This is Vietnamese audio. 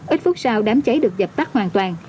ít phút sau đám cháy được dập tắt hoàn toàn